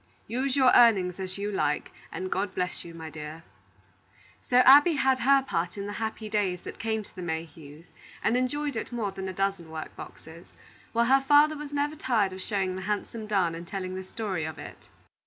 Use your earnings as you like, and God bless you, my dear." So Abby had her part in the happy days that came to the Mayhews, and enjoyed it more than a dozen work boxes; while her father was never tired of showing the handsome darn and telling the story of it.